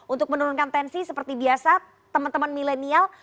untuk menurunkan tensi seperti biasa teman teman milenial